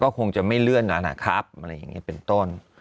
ก็คงจะไม่เลื่อนนะครับเป็นต้น